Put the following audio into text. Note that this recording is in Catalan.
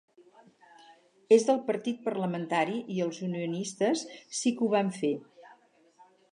Els del Partit Parlamentari i els Unionistes sí que ho van fer.